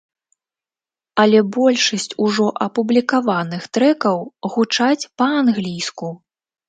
Але большасць ужо апублікаваных трэкаў гучаць па-англійску.